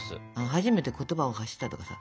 「初めて言葉を発した」とかさ